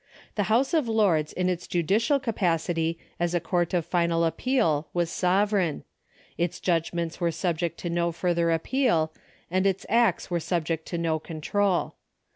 The Houseof Lords in its judicial capacity as a court of final ap[)eal was sovereign. Its jvidgments were subject to no further appeal, and its acts were subject to no control.